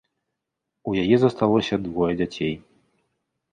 У яе засталося двое дзяцей.